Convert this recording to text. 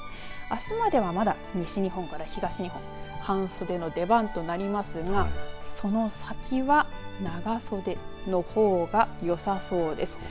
あすまではまだ西日本から東日本半袖の出番となりますがその先は長袖の方がよさそうです。